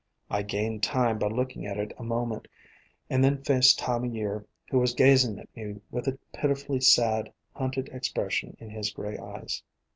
I gained time by looking at it a moment, and then faced Time o' Year, who was gazing at me with a pitifully sad, hunted expression in his gray eyes.